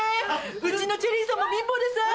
うちのチェリーさんも貧乏でさぁ。